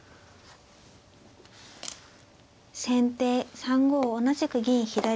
先手３五同じく銀左。